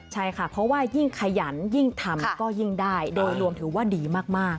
ใช่ค่ะเพราะว่ายิ่งขยันยิ่งทำก็ยิ่งได้โดยรวมถือว่าดีมาก